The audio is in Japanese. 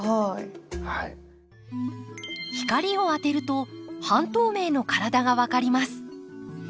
光を当てると半透明の体が分かります。